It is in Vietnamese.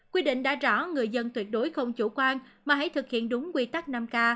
quy định đã rõ người dân tuyệt đối không chủ quan mà hãy thực hiện đúng quy tắc năm k